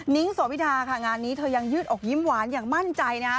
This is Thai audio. นิ้งส์โสพิดานั่นค่ะงานนี้เธอยังยืดอกยิ้มหวานอย่างมั่นใจนะ